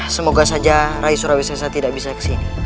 semoga saja rai surawis sesa tidak bisa kesini